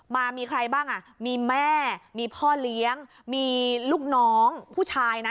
มามีใครบ้างอ่ะมีแม่มีพ่อเลี้ยงมีลูกน้องผู้ชายนะ